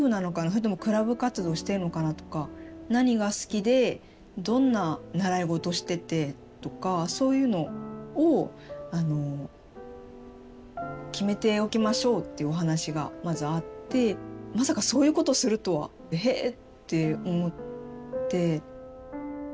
それともクラブ活動してるのかなとか何が好きでどんな習い事しててとかそういうのを決めておきましょうっていうお話がまずあってまさかそういうことをするとは「へぇ」って思って。